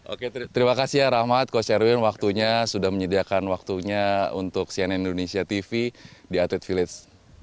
oke terima kasih ya rahmat coach erwin waktunya sudah menyediakan waktunya untuk cnn indonesia tv di atlet village